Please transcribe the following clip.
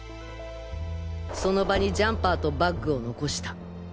その場にジャンパーとバッグを残した。